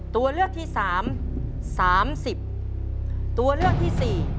ตัวเลือกที่๓๓๐ตัวเลือกที่๔๓๕